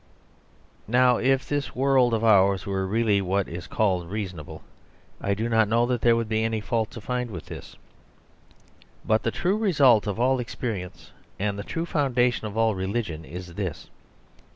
..... Now, if this world of ours were really what is called reasonable, I do not know that there would be any fault to find with this. But the true result of all experience and the true foundation of all religion is this.